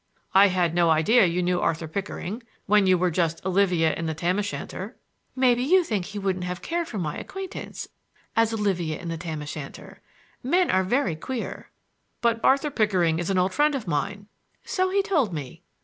"I had no idea you knew Arthur Pickering—when you were just Olivia in the tam o' shanter." "Maybe you think he wouldn't have cared for my acquaintance—as Olivia in the tam o' shanter. Men are very queer!" "But Arthur Pickering is an old friend of mine." "So he told me."